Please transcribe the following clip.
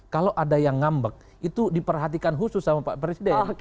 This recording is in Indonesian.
kalau ada yang ngambek itu diperhatikan khusus sama pak presiden